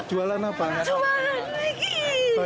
api terbakar api terbakar